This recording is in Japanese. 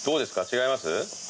違います。